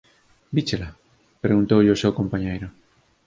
Víchela? —preguntoulle o seu compañeiro.